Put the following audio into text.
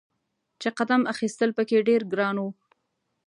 چې قدم اخیستل په کې ډیر ګران و.